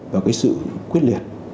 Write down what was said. và cái sự quyết liệt